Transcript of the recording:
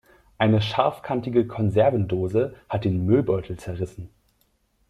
Eine scharfkantige Konservendose hat den Müllbeutel zerrissen.